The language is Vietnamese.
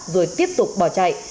rồi tiếp tục bỏ chạy